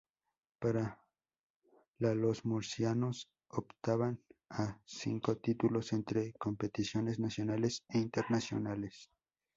Para la los murcianos optaban a cinco títulos entre competiciones nacionales e internacionales.